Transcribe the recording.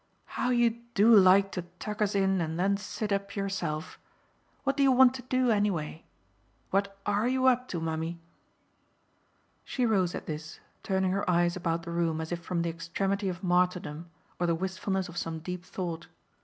"How you DO like to tuck us in and then sit up yourself! What do you want to do, anyway? What ARE you up to, mummy?" She rose at this, turning her eyes about the room as if from the extremity of martyrdom or the wistfulness of some deep thought.